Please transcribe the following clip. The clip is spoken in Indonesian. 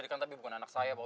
tenang nabar dan sabar ya bu